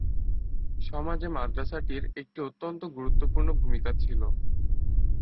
সমাজে মাদ্রাসাটির একটি অত্যন্ত গুরুত্বপূর্ণ ভূমিকা ছিল।